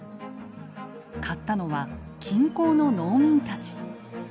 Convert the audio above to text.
買ったのは近郊の農民たち。